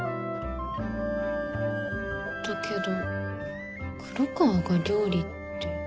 だけど黒川が料理って。